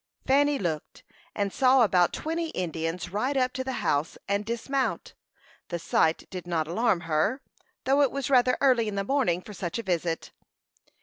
Fanny looked, and saw about twenty Indians ride up to the house and dismount. The sight did not alarm her, though it was rather early in the morning for such a visit.